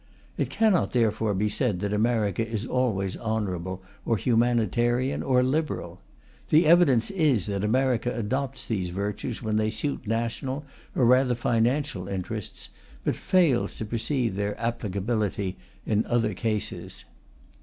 It cannot therefore be said that America is always honourable or humanitarian or liberal. The evidence is that America adopts these virtues when they suit national or rather financial interests, but fails to perceive their applicability in other cases.